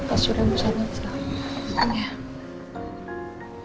pas sudah mas arang